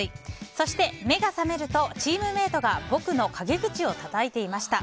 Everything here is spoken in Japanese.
そして目が覚めるとチームメートが僕の陰口をたたいていました。